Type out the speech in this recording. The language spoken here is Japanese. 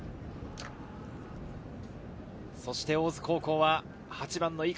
そして大津高校は８番の碇